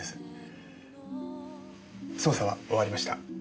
捜査は終わりました。